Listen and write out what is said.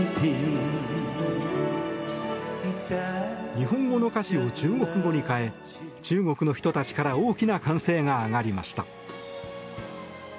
日本語の歌詞を中国語に変え中国の人たちから大きな歓声が上がりました。